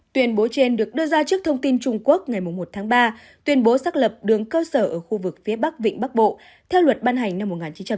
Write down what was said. tuyên bố trên được đưa ra trước thông tin trung quốc ngày một tháng ba tuyên bố xác lập đường cơ sở ở khu vực phía bắc vịnh bắc bộ theo luật ban hành năm một nghìn chín trăm bảy mươi